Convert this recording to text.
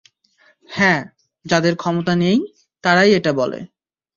হ্যাঁ, যাদের ক্ষমতা নেই, তারাই এটা বলে।